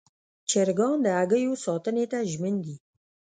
چرګان د هګیو ساتنې ته ژمن دي.